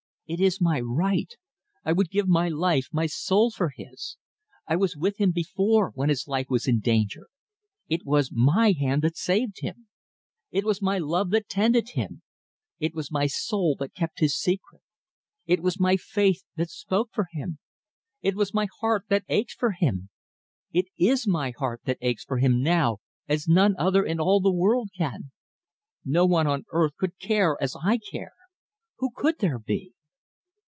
"It is my right. I would give my life, my soul for his. I was with him before when his life was in danger. It was my hand that saved him. It was my love that tended him. It was my soul that kept his secret. It was my faith that spoke for him. It was my heart that ached for him. It is my heart that aches for him now as none other in all the world can. No one on earth could care as I care. Who could there be?"